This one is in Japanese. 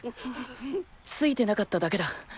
ついてなかっただけだ。